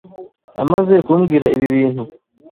Amaze kumbwira ibi bintu